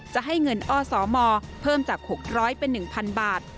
จะให้เงินอสมเพิ่มจาก๖๐๐เป็น๑๐๐๐บาท